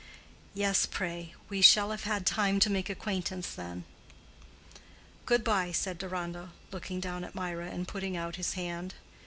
"Yes, pray; we shall have had time to make acquaintance then." "Good bye," said Deronda, looking down at Mirah, and putting out his hand.